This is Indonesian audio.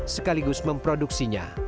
sekaligus memproduksi vaksin berbasis mrna